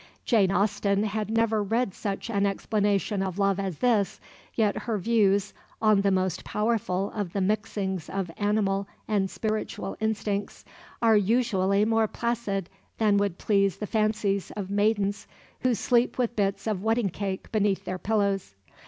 Jane Austen had never read such an explanation of love as this, yet her views on the most powerful of the mixings of animal and spiritual instincts are usually more placid than would please the fancies of maidens who sleep with bits of wedding cake beneath their pillows.